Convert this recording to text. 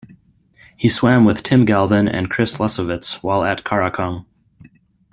He swam with Tim Galvin and Chris Lesovitz while at Karakung.